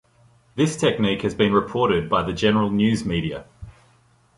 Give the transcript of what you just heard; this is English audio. This technique has been reported by the general news media.